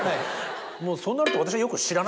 もうそうなると。